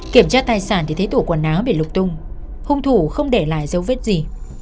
kiểm tra tài sản thì thấy tủ quần áo bị lục tung hung thủ không để lại dấu vết gì